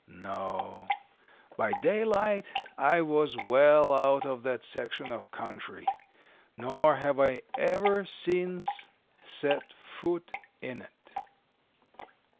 No; by daylight I was well out of that section of country, nor have I ever since set foot in it."